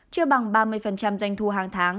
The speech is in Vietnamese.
chưa bằng ba mươi doanh thu hàng tháng